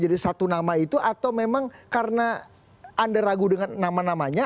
jadi satu nama itu atau memang karena anda ragu dengan nama namanya